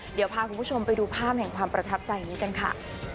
เดี๋ยวพาคุณผู้ชมไปดูภาพแห่งความประทับใจนี้กันค่ะ